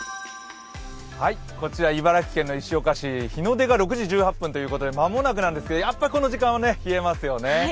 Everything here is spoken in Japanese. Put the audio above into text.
こちら、茨城県の石岡市、日の出が６時１８分ということで間もなくなんですけれどもやっぱりこの時間は冷えますよね。